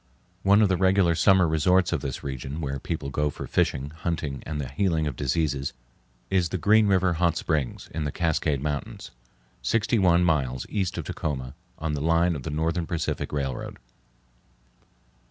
One of the regular summer resorts of this region where people go for fishing, hunting, and the healing of diseases, is the Green River Hot Springs, in the Cascade Mountains, sixty one miles east of Tacoma, on the line of the Northern Pacific Railroad.